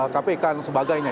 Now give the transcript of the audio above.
kpk dan sebagainya